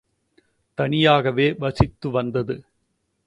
தனியாகவே வசித்து வந்தது.